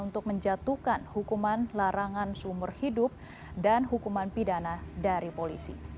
untuk menjatuhkan hukuman larangan seumur hidup dan hukuman pidana dari polisi